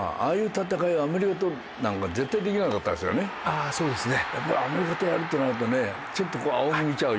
ああそうですね。